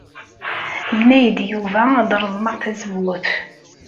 Yenna-iyi-d Yuba ad reẓmeɣ tazewwut.